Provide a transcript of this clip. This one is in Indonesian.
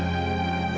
aku mau pergi